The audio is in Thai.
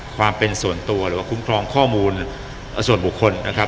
ความเป็นส่วนตัวหรือว่าคุ้มครองข้อมูลส่วนบุคคลนะครับ